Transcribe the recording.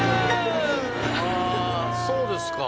ああそうですか。